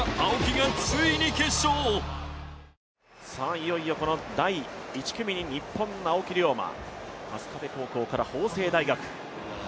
いよいよこの第１組に日本の青木涼真、春日部高校から法政大学。